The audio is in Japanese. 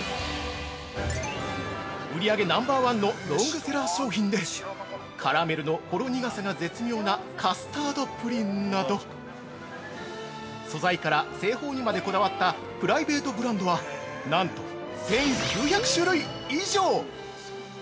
売り上げナンバーワンのロングセラー商品でカラメルのほろ苦さが絶妙なカスタードプリンなど、素材から製法にまでこだわったプライベートブランドは、なんと１９００種類以上！